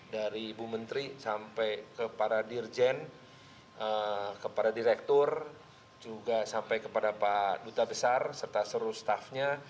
dari ibu menteri sampai ke para dirjen kepada direktur juga sampai kepada pak duta besar serta seluruh staffnya